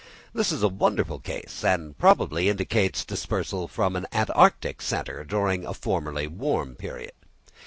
This is a wonderful case, and probably indicates dispersal from an Antarctic centre during a former warm period.